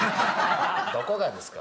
どこがですか！